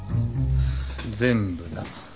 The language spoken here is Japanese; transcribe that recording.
全部だ。